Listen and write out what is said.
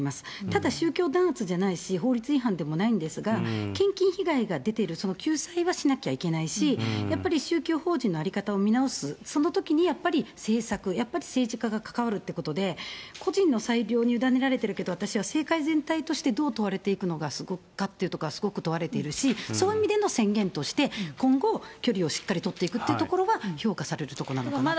ただ宗教弾圧じゃないし、法律違反でもないんですが、献金被害が出ている、その救済はしなきゃいけないし、やっぱり宗教法人の在り方を見直す、そのときにやっぱり政策、政治家が関わるということで、個人の裁量にゆだねられているけど、私は政界全体としてどう問われていくのか、すごく問われているし、そういう意味での制限として、今後、距離をしっかり取っていくっていうところは評価されるところなのかなと。